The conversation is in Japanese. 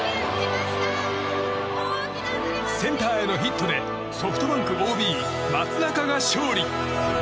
センターへのヒットでソフトバンクＯＢ松中が勝利。